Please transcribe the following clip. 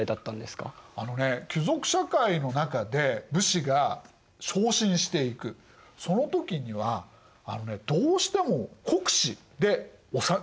あのね貴族社会の中で武士が昇進していくその時にはどうしても国司でおしまいだったんです。